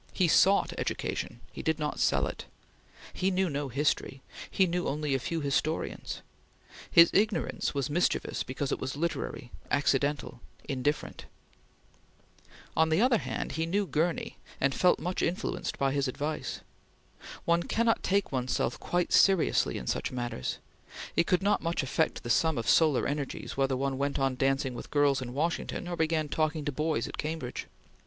He sought education; he did not sell it. He knew no history; he knew only a few historians; his ignorance was mischievous because it was literary, accidental, indifferent. On the other hand he knew Gurney, and felt much influenced by his advice. One cannot take one's self quite seriously in such matters; it could not much affect the sum of solar energies whether one went on dancing with girls in Washington, or began talking to boys at Cambridge.